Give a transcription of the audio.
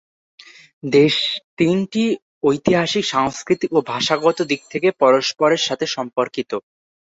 দেশ তিনটি ঐতিহাসিক, সাংস্কৃতিক ও ভাষাগত দিক থেকে পরস্পরের সাথে সম্পর্কিত।